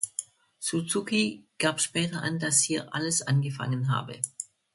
Suzuki gab später an, dass hier "alles angefangen" habe.